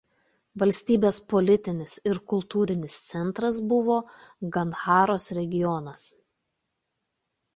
Valstybės politinis ir kultūrinis centras buvo Gandharos regionas.